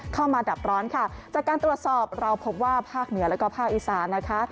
ดับร้อนค่ะจากการตรวจสอบเราพบว่าภาคเหนือแล้วก็ภาคอีสานนะคะ